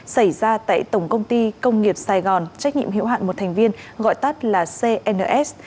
xảy ra tại tổng công ty công nghiệp sài gòn trách nhiệm hiệu hạn một thành viên gọi tắt là cns